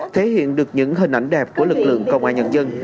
thể hiện được những hình ảnh đẹp của lực lượng công an nhân dân